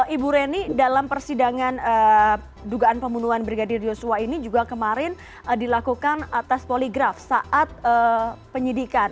ibu reni dalam persidangan dugaan pembunuhan brigadir yosua ini juga kemarin dilakukan tes poligraf saat penyidikan